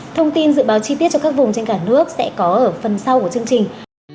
thông tin dự báo chi tiết cho các vùng trên cả nước sẽ có ở phần sau của chương trình